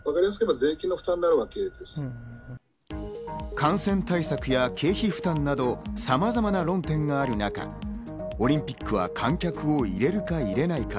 感染対策や経費負担など、さまざまな論点がある中、オリンピックは観客を入れるか入れないか。